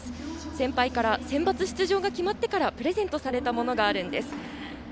先輩からセンバツ出場が決まってからプレゼントされたものがあるんです。